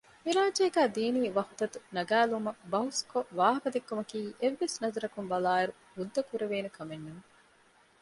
މި ރާއްޖޭގައި ދީނީ ވަޙުދަތު ނަގައިލުމަށް ބަހުސްކޮށް ވާހަކަދެއްކުމަކީ އެއްވެސް ނަޒަރަކުން ބަލާއިރު ހުއްދަކުރެވޭނެ ކަމެއް ނޫން